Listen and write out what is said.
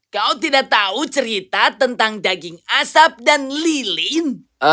kau tidak tahu cerita tentang daging asap dan lilin